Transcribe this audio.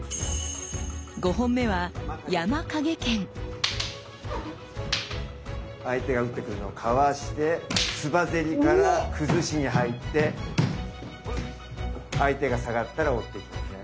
５本目は相手が打ってくるのをかわして鐔ぜりからくずしに入って相手が下がったら追っていきますね。